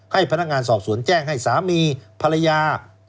ให้พนักงานสอบสวนแจ้งให้สามีภรรยา